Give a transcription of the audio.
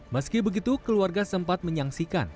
meski begitu keluarga sempat menyaksikan